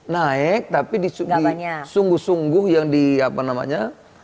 naik tapi di sungguh sungguh yang di apa namanya